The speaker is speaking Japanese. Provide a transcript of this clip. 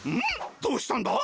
どうしたんだ？